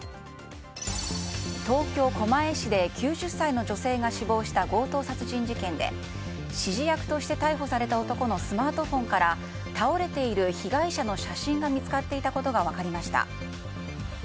東京・狛江市で９０歳の女性が死亡した強盗殺人事件で指示役として逮捕された男のスマートフォンから倒れている被害者の写真が見つかっていたことが分かりました。